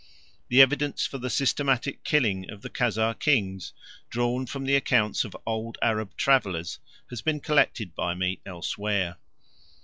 The evidence for the systematic killing of the Khazar kings, drawn from the accounts of old Arab travellers, has been collected by me elsewhere.